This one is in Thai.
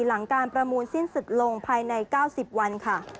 หลังการประมูลสิ้นสุดลงภายใน๙๐วันค่ะ